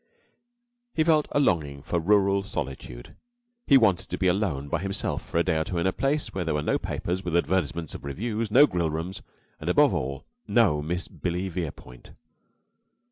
He felt a longing for rural solitude. He wanted to be alone by himself for a day or two in a place where there were no papers with advertisements of revues, no grill rooms, and, above all, no Miss Billy Verepoint.